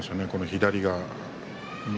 左が。